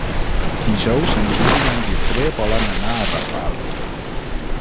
Dijous en Juli i en Guifré volen anar a Rafal.